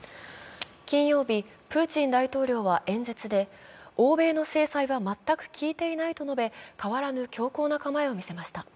金曜日、プーチン大統領は演説で欧米の制裁は全く効いていないと述べ、変わらぬ強硬な構えを見せました。